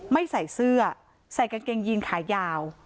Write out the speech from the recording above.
ไม่ใส่เสื้อใส่กางเกงยีนขายาว